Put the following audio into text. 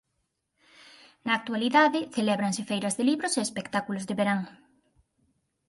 Na actualidade celébranse feiras de libros e espectáculos de verán.